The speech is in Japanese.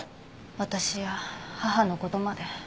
私や母の事まで。